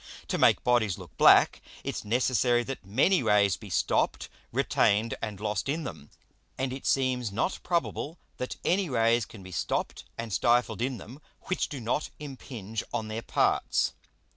To make Bodies look black, it's necessary that many Rays be stopp'd, retained, and lost in them; and it seems not probable that any Rays can be stopp'd and stifled in them which do not impinge on their parts.